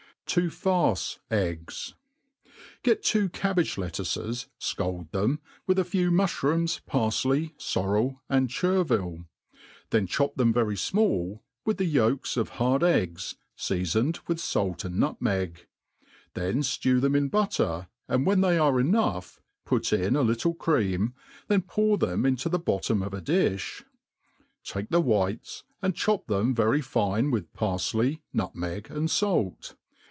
To farce Eggs. GET two cabbage lettuces, fcald them, with a few mufh ^ rooms, parfley, forrel, and chervil ; then chop, them very fmall, with the yolks of hard eggs, feafoned with fait and nut meg ; then ftew them in butter ; and when they are enough, put in a little creiam, then pour them into the bottom of a di(h«^ Take the whites, atnd thop them Very fine with parfley, nut* meg, and fait.